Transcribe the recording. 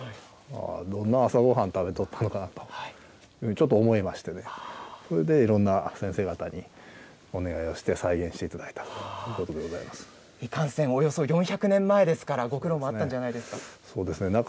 どんな朝ごはん食べとったのかなと、ちょっと思いましてね、それでいろんな先生方にお願いをして、再現していただいたといういかんせん、およそ４００年前ですからご苦労もあったんじゃないですか。